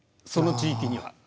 その地域には。